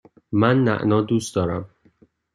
من نعنا دوست دارم.